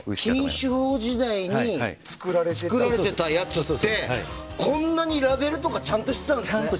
禁酒法時代に作られていたやつでこんなにラベルとかちゃんとしてたんですね。